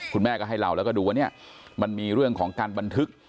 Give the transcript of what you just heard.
คุณแม่ก็ให้เราแล้วก็ดูว่าเนี่ยมันมีเรื่องของการบันทึก